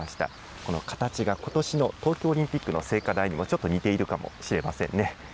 この形がことしの東京オリンピックの聖火台にもちょっと似ているかもしれませんね。